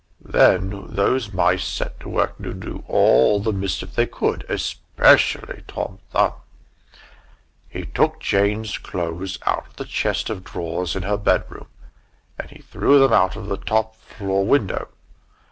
Then those mice set to work to do all the mischief they could especially Tom Thumb! He took Jane's clothes out of the chest of drawers in her bedroom, and he threw them out of the top floor window.